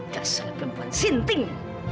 gak salah perempuan sinting